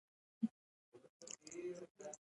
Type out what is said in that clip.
افغانستان د رسوب کوربه دی.